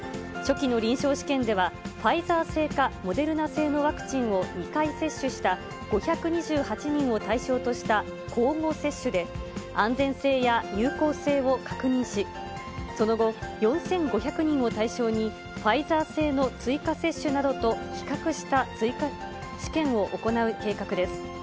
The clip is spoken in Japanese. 初期の臨床試験では、ファイザー製かモデルナ製のワクチンを２回接種した５２８人を対象とした交互接種で、安全性や有効性を確認し、その後、４５００人を対象にファイザー製の追加接種などと比較した追加試験を行う計画です。